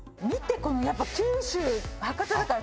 このやっぱ九州。